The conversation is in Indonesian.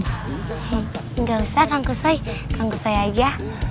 tidak usah kang kusoy kang kusoy saja